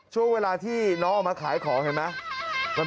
ช่วงเวลาที่น้องออกมาขายของเห็นไหม